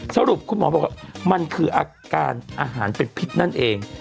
สรุปคุณหมอบอกว่ามันคืออาการอาหารเป็นพิษนั่นเอง